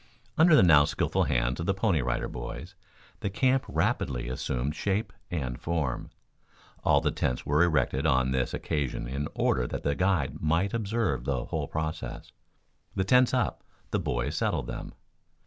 Under the now skillful hands of the Pony Rider Boys the camp rapidly assumed shape and form. All the tents were erected on this occasion in order that the guide might observe the whole process. The tents up, the boys settled them.